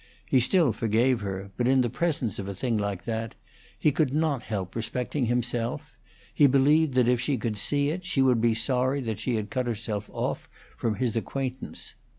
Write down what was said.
He still forgave her, but in the presence of a thing like that he could not help respecting himself; he believed that if she could see it she would be sorry that she had cut herself off from his acquaintance.